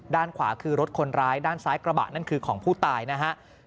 ด้านขวาคือรถคนร้ายด้านซ้ายกระบะนั่นคือของผู้ตายนะฮะ